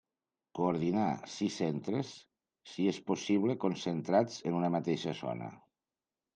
Coordinar sis centres, si és possible concentrats en una mateixa zona.